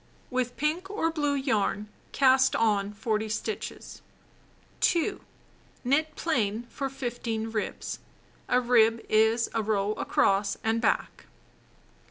With pink or blue yarn cast on 40 stitches. 2. Knit plain for 15 ribs (a rib is a row across and back).